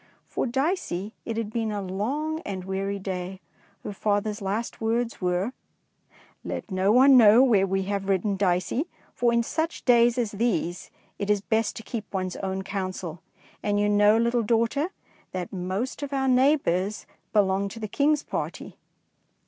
For Dicey it had been a long and weary day. Her father's last words 224 DICEY LANGSTON were: "Letnooneknow where we have ridden, Dicey, for in such days as these it is best to keep one's own counsel, and you know, little daughter, that most of our neighbours belong to the King's party."